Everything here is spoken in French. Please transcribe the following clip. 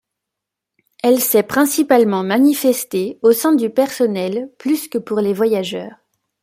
Elle s'est principalement manifestée au sein du personnel plus que pour les voyageurs.